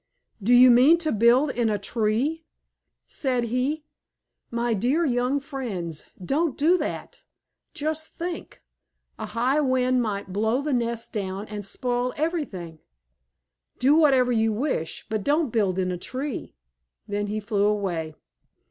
"Do you mean to build in a tree?" said he. "My dear young friends, don't do that. Just think, a high wind might blow the nest down and spoil everything. Do whatever you wish, but don't build in a tree." Then he flew away.